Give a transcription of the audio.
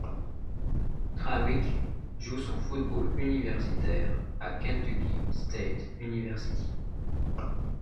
Trawick joue son football universitaire à Kentucky State University.